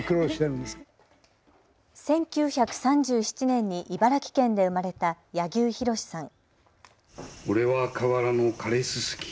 １９３７年に茨城県で生まれた柳生博さん。